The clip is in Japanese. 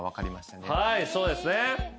はいそうですね。